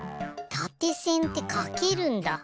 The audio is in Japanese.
たてせんってかけるんだ。